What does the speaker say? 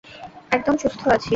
একদম সুস্থ আছি।